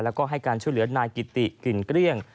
แล้วก็ให้การช่วยเหลือนายกิติกลิ่นเกลี้ยง